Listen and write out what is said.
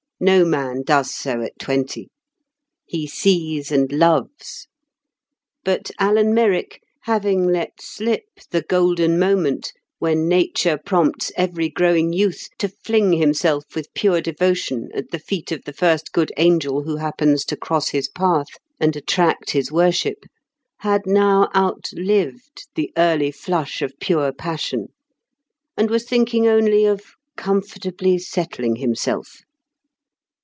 No man does so at twenty. He sees and loves. But Alan Merrick, having let slip the golden moment when nature prompts every growing youth to fling himself with pure devotion at the feet of the first good angel who happens to cross his path and attract his worship, had now outlived the early flush of pure passion, and was thinking only of "comfortably settling himself."